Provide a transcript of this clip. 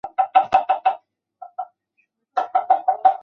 其余的谢赫派成员则分裂成三派。